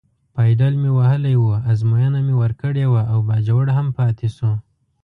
پایډل مې وهلی و، ازموینه مې ورکړې وه او باجوړ هم پاتې شو.